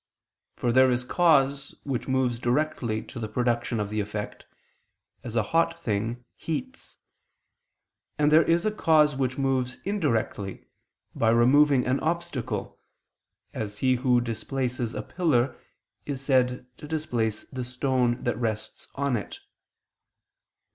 For there is a cause which moves directly to the production of the effect, as a hot thing heats: and there is a cause which moves indirectly, by removing an obstacle, as he who displaces a pillar is said to displace the stone that rests on it.